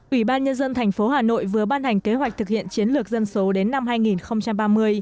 ủy ban nhân dân thành phố hà nội vừa ban hành kế hoạch thực hiện chiến lược dân số đến năm hai nghìn ba mươi